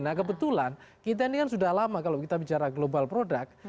nah kebetulan kita ini kan sudah lama kalau kita bicara global product